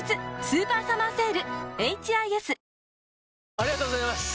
ありがとうございます！